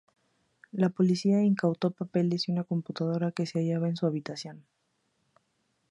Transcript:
La policía incautó papeles y una computadora que se hallaban en su habitación.